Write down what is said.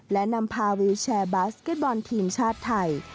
และนำพาวิวแชร์บาสเก็ตบอลทีมชาติไทย